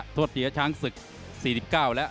ทวดเตียร์ช้างศึก๔๙และ